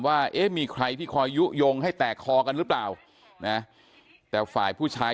ว่าเอ๊ะมีใครที่คอยยุโยงให้แตกคอกันหรือเปล่านะแต่ฝ่ายผู้ชาย